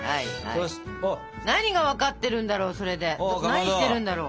何してるんだろう？